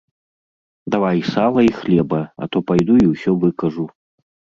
Давай сала і хлеба, а то пайду і ўсё выкажу.